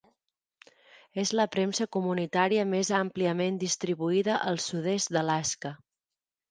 És la premsa comunitària més àmpliament distribuïda al sud-est d'Alaska.